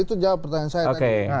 itu jawab pertanyaan saya tadi